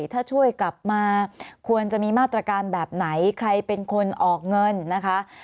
ถ้าช่วยกลับมาควรจะมีมาตรการแบบไหนใครเป็นคนออกเงินนะคะ